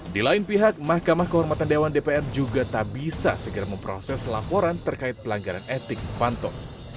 di lain pihak mahkamah kehormatan dewan dpr juga tak bisa segera memproses laporan terkait pelanggaran etik fanto